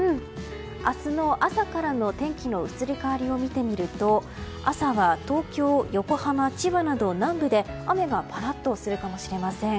明日の朝からの天気の移り変わりを見てみると朝は東京、横浜、千葉など南部で雨がぱらっとするかもしれません。